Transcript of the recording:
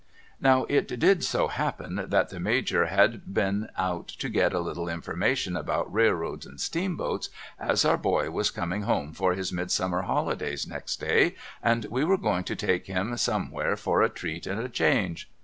Now it did so happen that the INIajor had been out to get a little information about railroads and steamboats, as our boy was coming home for his Midsummer holidays next day and we were going to take him somewhere for a treat and a change.